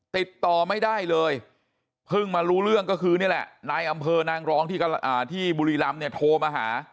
ติดต่อไม่ได้เลยเพิ่งมารู้เรื่องก็คือนี่แหละนายอำเภอนางรองที่บุรีรำเนี่ยโทรมาหา